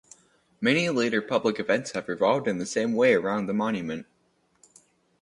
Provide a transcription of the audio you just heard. Many later public events have revolved in some way around the monument.